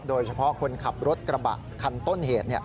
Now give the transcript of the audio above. โดยเฉพาะคนขับรถกระบะคันต้นเหตุ